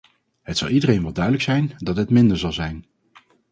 Het zal iedereen wel duidelijk zijn dat dit minder zal zijn.